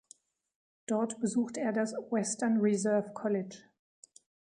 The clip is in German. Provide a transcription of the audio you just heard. Dort besuchte er das "Western Reserve College".